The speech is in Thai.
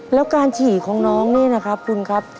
แล้วการฉี่ของน้องนี่นะครับคุณครับ